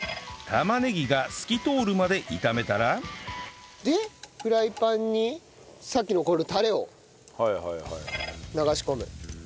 玉ねぎが透き通るまで炒めたらでフライパンにさっきのこのタレを流し込む。